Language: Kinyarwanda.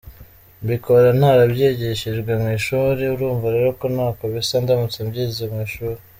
Mbikora ntarabyigishijwe mu ishuri urumva rero ko ntako bisa ndamutse mbyize mu ishuri.